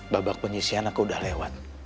babak penyisian aku udah lewat